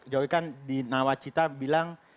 jokowi kan di nawacita bilang